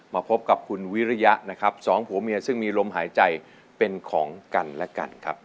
มาพบกับคุณวิริยะนะครับสองผัวเมียซึ่งมีลมหายใจเป็นของกันและกันครับ